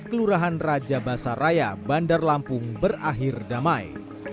kelurahan raja basaraya bandar lampung berakhir damai